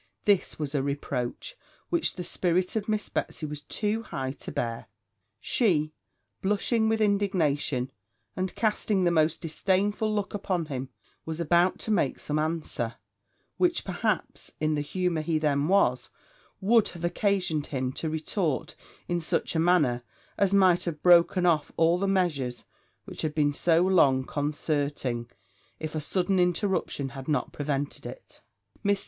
This was a reproach which the spirit of Miss Betsy was too high to bear; she, blushing with indignation, and casting the most disdainful look upon him, was about to make some answer, which, perhaps, in the humour he then was, would have occasioned him to retort in such a manner as might have broken off all the measures which had been so long concerting, if a sudden interruption had not prevented it. Mr.